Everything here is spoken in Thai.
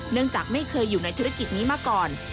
จากไม่เคยอยู่ในธุรกิจนี้มาก่อน